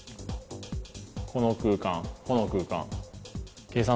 この空間この空間。